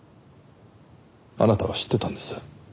あなたは知ってたんです。